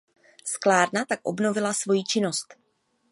Sklárna tak obnovila svoji činnost.